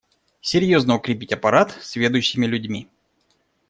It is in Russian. Серьезно укрепить аппарат сведущими людьми.